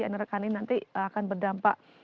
karena rekahan ini nanti akan berdampak